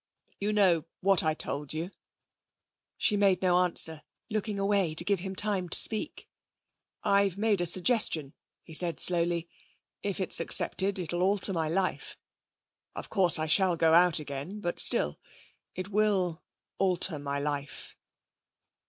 'You know what I told you.' She made no answer, looking away to give him time to speak. 'I've made a suggestion,' he said slowly.... 'If it's accepted it'll alter all my life. Of course I shall go out again. But still it will alter my life.'